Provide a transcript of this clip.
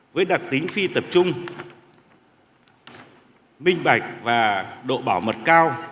với đặc tính phi tập trung minh bạch và độ bảo mật cao